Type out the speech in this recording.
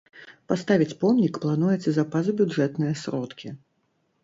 Паставіць помнік плануецца за пазабюджэтныя сродкі.